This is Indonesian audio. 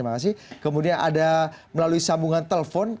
masih kemudian ada melalui sambungan telepon